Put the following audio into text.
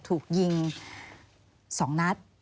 ถูกยิงสองนัด